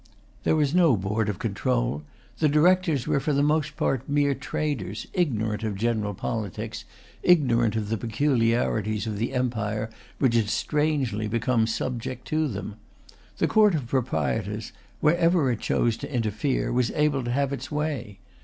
There was no Board of Control. The Directors were for the most part mere traders, ignorant of general politics, ignorant of the peculiarities of the empire which had strangely become subject to them. The Court of Proprietors, wherever it chose to interfere, was able to have its way.